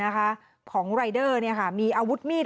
ของรายเดอร์เนี่ยให้มีอาวุธมีด